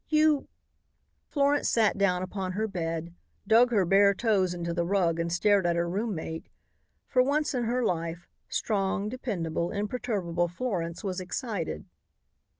You " Florence sat down upon her bed, dug her bare toes into the rug and stared at her roommate. For once in her life, strong, dependable, imperturbable Florence was excited.